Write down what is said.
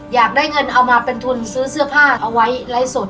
อยากได้เงินเอามาเป็นทุนซื้อเสื้อผ้าเอาไว้ไลฟ์สด